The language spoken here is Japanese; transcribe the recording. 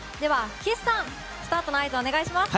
岸さん、スタートの合図をお願いします！